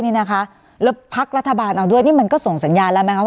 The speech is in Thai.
นี่นะคะแล้วพักรัฐบาลเอาด้วยนี่มันก็ส่งสัญญาณแล้วไหมคะ